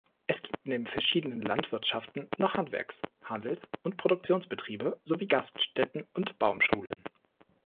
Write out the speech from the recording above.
Es gibt neben verschiedenen Landwirtschaften noch Handwerks-, Handels- und Produktionsbetriebe sowie Gaststätten und Baumschulen.